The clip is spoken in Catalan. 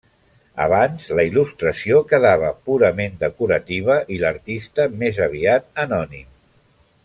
Abans, la il·lustració quedava purament decorativa i l'artista més aviat anònim.